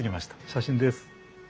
写真です。